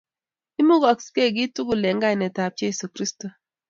Imukoskei kiy tukul eng kainetab Jeso Kristo